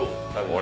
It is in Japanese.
俺？